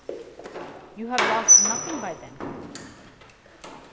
You have lost nothing by them."